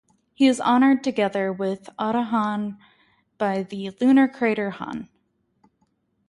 He is honoured together with Otto Hahn by the lunar crater Hahn.